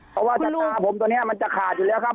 เพราะว่าชะตาผมตัวนี้มันจะขาดอยู่แล้วครับ